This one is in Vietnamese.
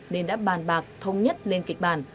nên đã bàn bạc thông nhất lên kịch bàn